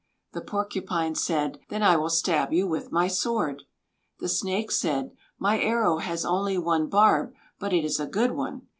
The Porcupine said: "Then I will stab you with my sword." The Snake said: "My arrow has only one barb; but it is a good one."